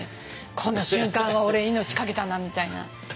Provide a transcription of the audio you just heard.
この瞬間は俺命かけたなみたいな。